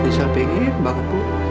rizal pengen bangun